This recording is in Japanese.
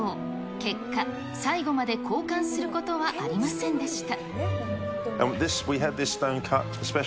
結果、最後まで交換することはありませんでした。